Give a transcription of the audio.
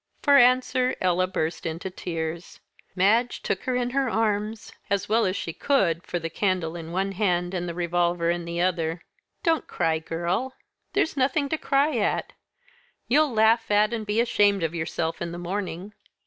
For answer Ella burst into tears. Madge took her in her arms as well as she could, for the candle in one hand and the revolver in the other. "Don't cry, girl; there's nothing to cry at. You'll laugh at and be ashamed of yourself in the morning.